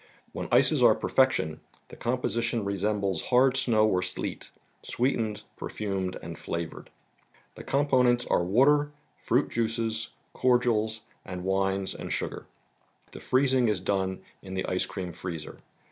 When ices are perfection, the composition resembles hard snow or sleet, sweetened, perfumed and flavored. The components are water, fruit juices, cordials and wines, and sugar. The freezing is done in the ice cream freezer.